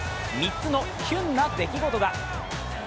３つのキュンな出来事が。